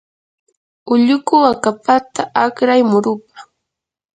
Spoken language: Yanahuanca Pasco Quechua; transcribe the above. ulluku akapata akray murupa.